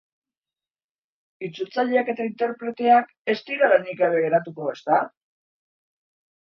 Itzultzaileak eta interpreteak ez dira lanik gabe geratuko, ezta?